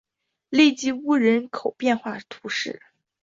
勒基乌人口变化图示